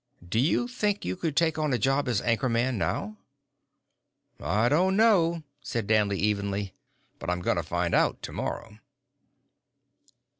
"Do you think you could take on a job as anchor man now?" "I don't know," said Danley evenly. "But I'm going to find out tomorrow."